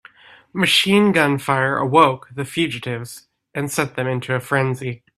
Machine gun fire awoke the fugitives and sent them into a frenzy.